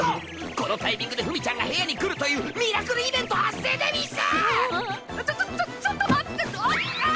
このタイミングでフミちゃんが部屋に来るというミラクルイベント発生でうぃす！